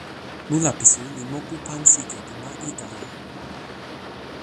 mulapisu li moku pan sike pi ma Italija.